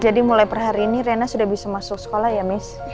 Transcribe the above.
jadi mulai per hari ini rena sudah bisa masuk sekolah ya miss